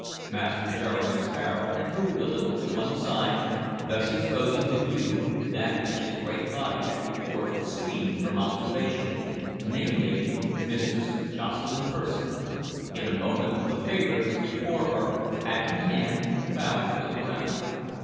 Master Jeremy Sparrow had moved a little to one side, thus exposing to view that which his great body had before screened from observation, namely, Mistress Jocelyn Percy. In a moment the favorite was before her, hat in hand, bowing to the ground.